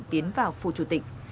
tiến vào phù chủ tịch